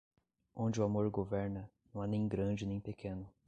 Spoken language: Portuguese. Onde o amor governa, não há nem grande nem pequeno.